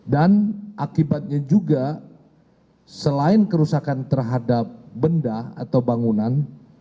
dan akibatnya juga selain kerusakan terhadap benda atau bangunan